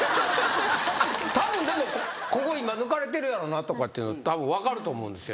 でもここ今抜かれてるやろなってたぶん分かると思うんですよ。